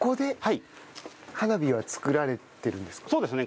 そうですね。